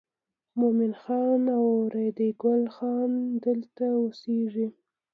مومن خان او ریډي ګل خان دلته اوسېږي.